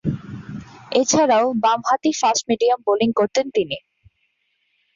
এছাড়াও, বামহাতি fast medium bowling করতেন তিনি।